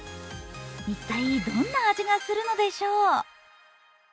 一体どんな味がするのでしょう？